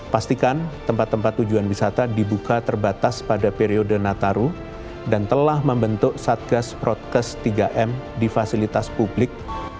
pastikan tempat tempat tujuan wisata dibuka terbatas pada periode nataru dan telah membentuk satgas protkes tiga m di fasilitas publik